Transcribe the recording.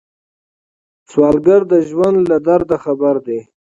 سوالګر د ژوند له درده خبر دی